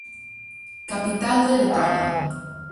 Capital de Letonia.